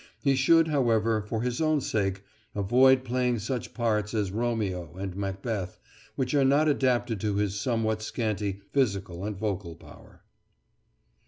He should, however, for his own sake, avoid playing such pants as Romeo and Macbeth, which are not adapted to his somewhat scanty physical and vocal power.